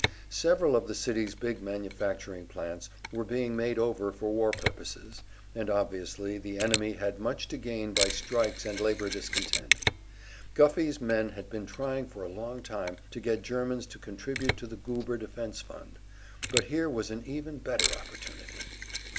Several of the city's big manufacturing plants were being made over for war purposes, and obviously the enemy had much to gain by strikes and labor discontent. Guffey's men had been trying for a long time to get Germans to contribute to the Goober Defense fund, but here was an even better opportunity.